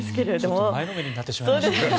ちょっと前のめりになってしまいました。